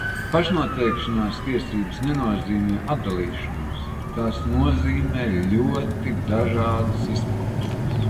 Pašnoteikšanās tiesības nenozīmē atdalīšanos, tās nozīmē ļoti dažādas izpausmes.